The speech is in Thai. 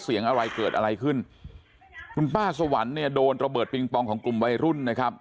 เสียงอะไรเกิดอะไรขึ้นคุณป้าสวรรค์เนี่ยโดนระเบิดปิงปองของกลุ่มวัยรุ่นนะครับ